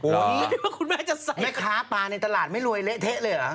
ล้างก่อนสิคุณแม่ไม่ค้าปลาในตลาดไม่รวยเหละเทะเลยหรอ